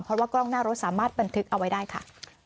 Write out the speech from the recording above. เพราะว่ากล้องหน้ารถสามารถบันทึกเอาไว้ได้ค่ะ